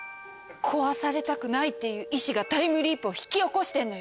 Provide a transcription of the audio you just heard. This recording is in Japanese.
壊されたくないっていう意志がタイムリープを引き起こしてんのよ。